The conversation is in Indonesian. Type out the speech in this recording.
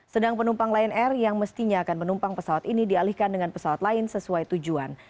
sedang penumpang lion air yang mestinya akan menumpang pesawat ini dialihkan dengan pesawat lain sesuai tujuan